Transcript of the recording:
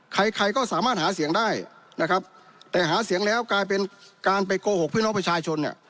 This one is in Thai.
ใครใครก็สามารถหาเสียงได้นะครับแต่หาเสียงแล้วกลายเป็นการไปโกหกพี่น้องประชาชนเนี่ย